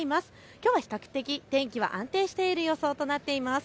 きょうは比較的天気が安定している予想となっています。